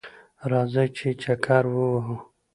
راځئ چه چکر ووهو